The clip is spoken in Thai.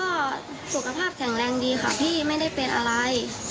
ก็สุขภาพแข็งแรงดีค่ะพี่ไม่ได้เป็นอะไร